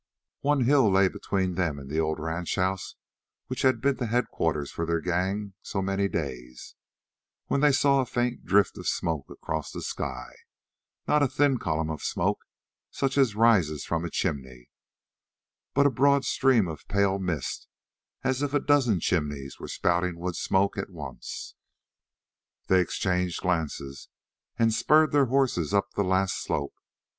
One hill lay between them and the old ranch house which had been the headquarters for their gang so many days, when they saw a faint drift of smoke across the sky not a thin column of smoke such as rises from a chimney, but a broad stream of pale mist, as if a dozen chimneys were spouting wood smoke at once. They exchanged glances and spurred their horses up the last slope.